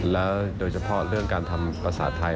แล้วโดยเฉพาะเรื่องการทำภาษาไทย